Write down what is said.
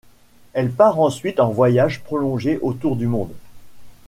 Elle part ensuite en voyage prolongé autour du monde.